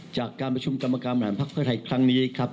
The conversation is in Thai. จากการประชุมกรรมการบริหารภักดิ์เพื่อไทยครั้งนี้ครับ